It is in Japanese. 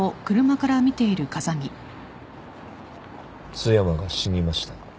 津山が死にました。